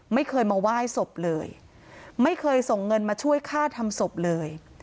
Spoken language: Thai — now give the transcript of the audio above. ไม่เคยมาไหว้ศพเลยไม่เคยส่งเงินมาช่วยฆ่าทำศพเลย